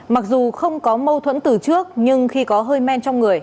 mặc dù không có mâu thuẫn từ trước nhưng khi có hơi men trong người